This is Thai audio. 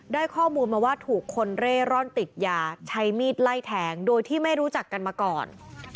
ได้ข้อมูลมาว่าถูกคนเร่ร่อนติดยาใช้มีดไล่แทงโดยที่ไม่รู้จักกันมาก่อน